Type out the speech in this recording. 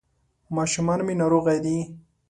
ماشومان مي ناروغه دي ..